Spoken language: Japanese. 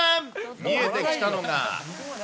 見えてきたのが。